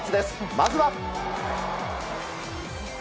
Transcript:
まずは。